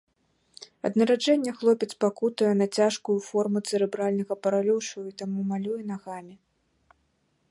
Ад нараджэння хлопец пакутуе на цяжкую форму цэрэбральнага паралюшу і таму малюе нагамі.